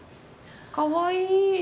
かわいい。